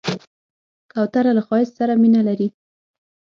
کوتره له ښایست سره مینه لري.